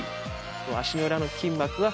足の裏の筋膜は。